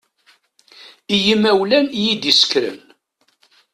I yimawlan i yi-d-isekren.